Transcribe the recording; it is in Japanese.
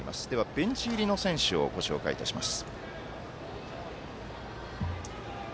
ベンチ入りの選手をご紹介いたします。